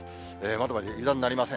まだまだ油断なりません。